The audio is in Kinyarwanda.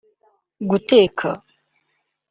guteka